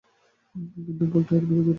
কিন্তু ভোল্টা এর বিরোধিতা করেন।